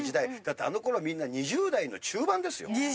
だってあの頃はみんな２０代の中盤ですよ。